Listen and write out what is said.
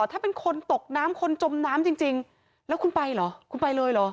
ถ้าเป็นคนตกน้ำคนจมน้ำจริงแล้วคุณไปเหรอคุณไปเลยเหรอ